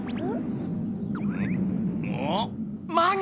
ん？